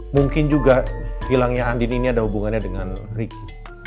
mungkin juga hilangnya andin ini ada hubungannya dengan ricky